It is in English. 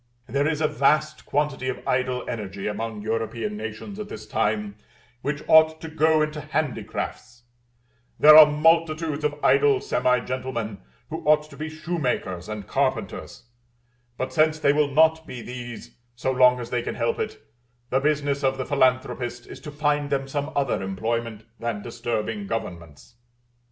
There is a vast quantity of idle energy among European nations at this time, which ought to go into handicrafts; there are multitudes of idle semi gentlemen who ought to be shoemakers and carpenters; but since they will not be these so long as they can help it, the business of the philanthropist is to find them some other employment than disturbing governments.